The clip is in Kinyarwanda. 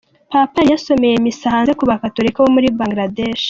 Papa yari yasomeye misa hanze ku bakatolika bo muri Bangadesh.